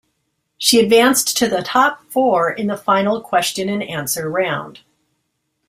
She advanced to the top four in the final question and answer round.